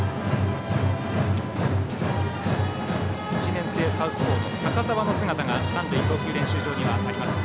１年生サウスポーの高澤の姿が三塁投球練習場にあります。